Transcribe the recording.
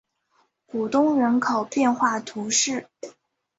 古东人口变化图示